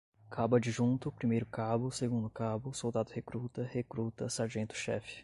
Cabo-Adjunto, Primeiro-Cabo, Segundo-Cabo, Soldado-Recruta, Recruta, Sargento-Chefe